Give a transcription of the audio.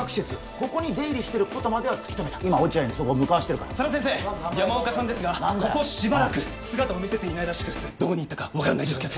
ここに出入りしてることまでは突き止めた今落合にそこ向かわせてるから佐田先生山岡さんですがここしばらく姿を見せていないらしくどこに行ったか分からない状況です